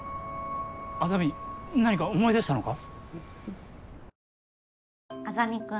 莇何か思い出したのか？